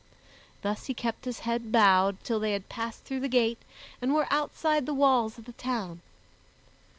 Thus he kept his head bowed till they had passed through the gate and were outside the walls of the town.